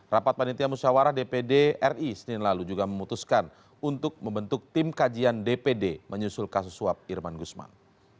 rapat panitia musyawarah dpd ri senin lalu juga memutuskan untuk membentuk tim kajian dpd menyusul kasus suap irman gusman